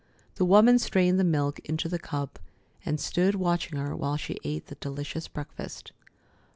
The woman strained the milk into the cup and stood watching her while she ate the delicious breakfast.